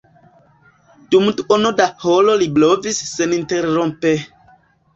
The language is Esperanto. Dum duono da horo li blovis seninterrompe.